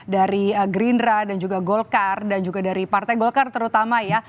dari gerindra dan juga golkar dan juga dari partai golkar terutama ya